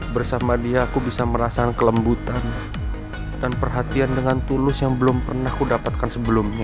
bersama dia aku bisa merasakan kelembutan dan perhatian dengan tulus yang belum pernah aku dapatkan sebelumnya